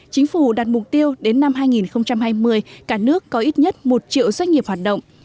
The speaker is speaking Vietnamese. chính phủ đặt mục tiêu đến năm hai nghìn hai mươi cả nước có ít nhất một triệu doanh nghiệp hoạt động